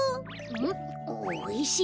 んっおいしいね。